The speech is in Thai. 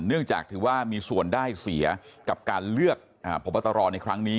เนื่องจากถือว่ามีส่วนได้เสียกับการเลือกพบตรในครั้งนี้